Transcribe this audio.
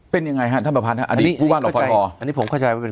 เป็นยังไงฮะท่านประพันธ์ฮะอดีตผู้ว่ารอพอทอันนี้ผมเข้าใจว่าเป็น